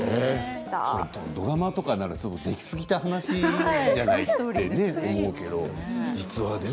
ドラマとかになるとできすぎた話じゃない？となるけど実話でね